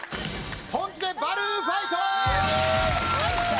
本気でバルーンファイト！